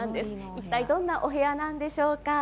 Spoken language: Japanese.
一体どんなお部屋なんでしょうか。